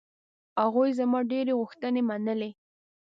هغوی زما ډېرې غوښتنې منلې.